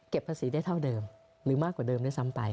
ภาษีได้เท่าเดิมหรือมากกว่าเดิมด้วยซ้ำไป